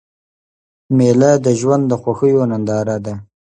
مېله د ژوند د خوښیو ننداره ده.